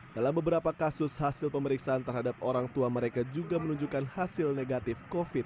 dalam beberapa kasus hasil pemeriksaan terhadap orang tua mereka juga menunjukkan hasil negatif covid sembilan belas